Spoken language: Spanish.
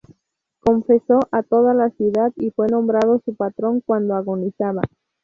Confesó a toda la ciudad y fue nombrado su patrón cuando agonizaba.